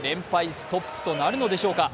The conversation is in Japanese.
ストップとなるのでしょうか。